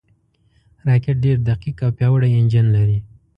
راکټ ډېر دقیق او پیاوړی انجن لري